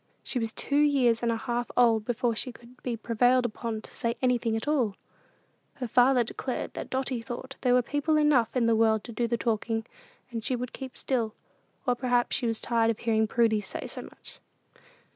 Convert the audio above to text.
She was two years and a half old before she could be prevailed upon to say anything at all. Her father declared that Dotty thought there were people enough in the world to do the talking, and she would keep still; or perhaps she was tired of hearing Prudy say so much.